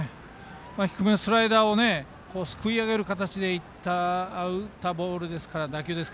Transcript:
低めのスライダーをすくい上げる形で打ったボールですからね。